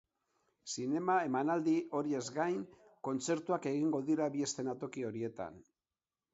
Zinema emanaldi horiez gain, kontzertuak egingo dira bi eszenatoki horietan.